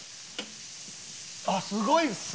あっすごいっす！